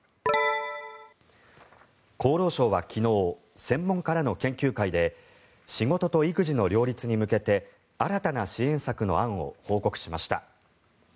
厚労省は昨日専門家らの研究会で仕事と育児の両立に向けて新たな支援策の案を報告しました。